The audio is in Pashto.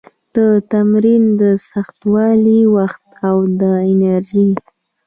د تمرین سختوالي، وخت او د انرژي